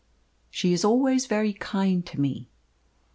"She is always very kind to me."